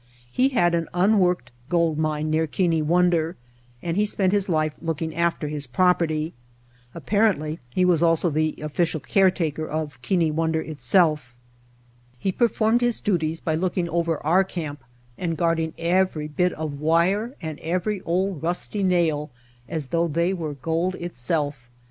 He had an unworked gold mine near Keane Wonder and he spent his life looking after his property. Apparently he was also the official caretaker of Keane Wonder itself. He performed his duties by looking over our camp and guarding every bit of wire and every old rusty nail as though they were gold itself.